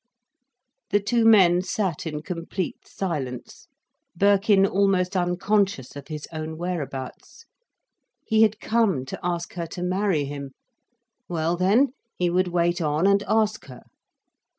The two men sat in complete silence, Birkin almost unconscious of his own whereabouts. He had come to ask her to marry him—well then, he would wait on, and ask her.